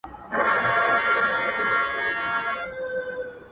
که سره وژنئ که نه” ماته چي زکات راوړئ”